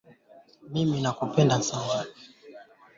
wakiishi kwa hofu ya polisi kuwakamata au kuwarejesha Myanmar